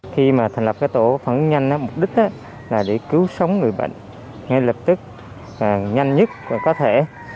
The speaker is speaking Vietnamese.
khi mà thành lập tổ phản ứng nhanh mục đích là để cứu sống người bệnh ngay lập tức nhanh nhất có thể